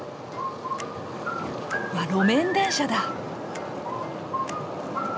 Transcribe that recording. あ路面電車だ！